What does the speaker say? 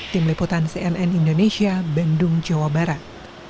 tim liputan cnn indonesia bandung jawa barat